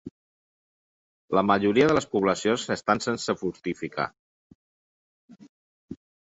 La majoria de les poblacions estan sense fortificar.